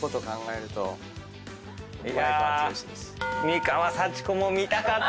美川幸子も見たかった！